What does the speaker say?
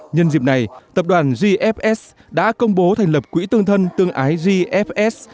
nhân dịp này tập đoàn gfs đã công bố thành lập quỹ tương thân tương ái gfs